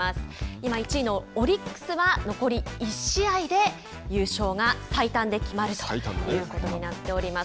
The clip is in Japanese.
今１位のオリックスは残り１試合で優勝が最短で決まるということになっております。